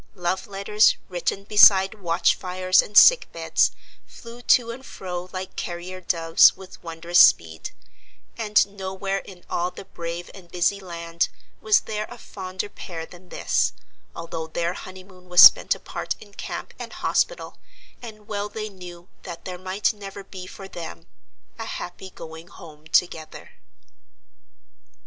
Love letters, written beside watch fires and sick beds, flew to and fro like carrier doves with wondrous speed; and nowhere in all the brave and busy land was there a fonder pair than this, although their honeymoon was spent apart in camp and hospital, and well they knew that there might never be for them a happy going home together.